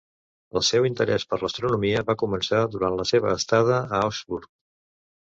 El seu interès per l'astronomia va començar durant la seva estada a Augsburg.